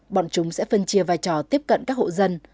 bọn chúng sẽ phân chia vai trò tiếp cận các hộ dân